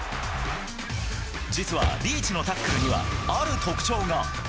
実はリーチのタックルにはある特徴が。